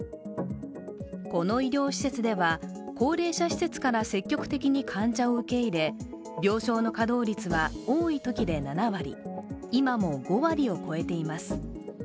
この医療施設では高齢者施設から積極的に患者を受け入れ、病床の稼働率は多いときで７割今も５割を超えています。